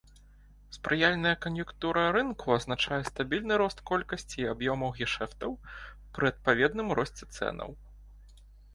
Спрыяльная кан'юнктура рынку азначае стабільны рост колькасці і аб'ёмаў гешэфтаў пры адпаведным росце цэнаў.